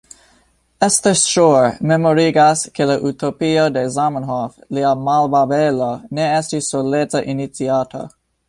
Esther Schor memorigas ke la utopio de Zamenhof, lia Malbabelo, ne estis soleca iniciato.